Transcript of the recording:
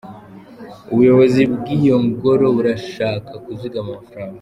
Ubuyobozi bw'iyo ngoro burashaka kuzigama amafaranga.